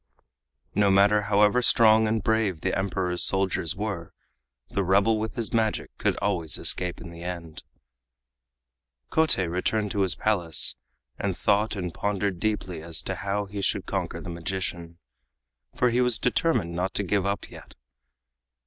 No matter however strong and brave the Emperor's soldiers were, the rebel with his magic could always escape in the end. Kotei returned to his Palace, and thought and pondered deeply as to how he should conquer the magician, for he was determined not to give up yet.